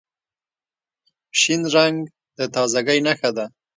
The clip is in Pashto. شین رنګ د تازګۍ نښه ده.